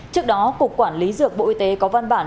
trước đó cục quản lý dược bộ y tế có văn bản